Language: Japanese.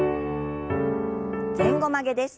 前後曲げです。